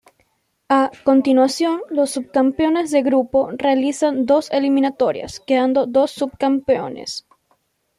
A continuación los subcampeones de grupo realizan dos eliminatorias, quedando dos subcampeones.